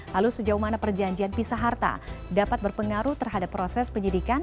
lalu sejauh mana perjanjian pisa harta dapat berpengaruh terhadap proses penyidikan